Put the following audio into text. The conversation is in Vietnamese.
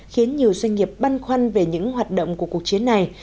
khiến nhiều doanh nghiệp băn khoăn về những hoạt động của cuộc chiến này